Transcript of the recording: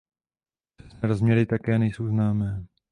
Přesné rozměry také nejsou známé.